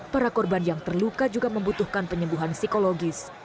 para korban yang terluka juga membutuhkan penyembuhan psikologis